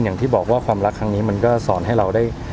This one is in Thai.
อย่างที่บอกว่าความรักครั้งนี้มันก็สอนให้เราได้